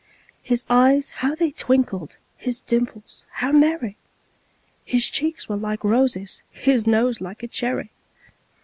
His eyes how they twinkled! his dimples how merry! His cheeks were like roses, his nose like a cherry!